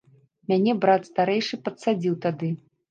Мяне брат старэйшы падсадзіў тады.